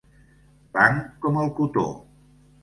Blanc com el cotó.